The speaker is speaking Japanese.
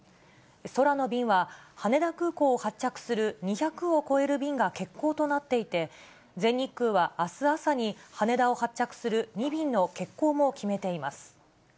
空の便は、羽田空港を発着する２００を超える便が欠航となっていて、全日空はあす朝に羽田を発着する２便の欠航も決めています。